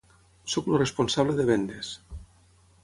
Soc el responsable de vendes.